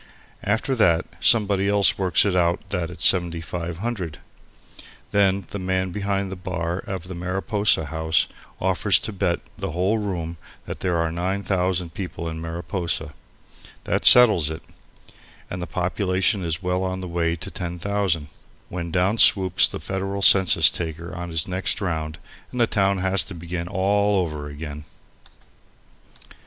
After that somebody else works it out that it's 7,500; then the man behind the bar of the Mariposa House offers to bet the whole room that there are 9,000 people in Mariposa. That settles it, and the population is well on the way to 10,000, when down swoops the federal census taker on his next round and the town has to begin all over again.